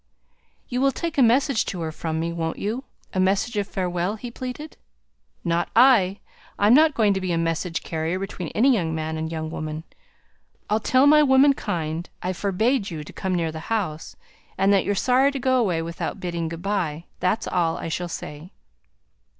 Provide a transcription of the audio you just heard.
"You will take a message to her from me, won't you? A message of farewell?" he pleaded. "Not I. I'm not going to be a message carrier between any young man and young woman. I'll tell my womenkind I forbade you to come near the house, and that you're sorry to go away without bidding good by. That's all I shall say."